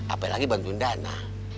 apalagi bantuin dana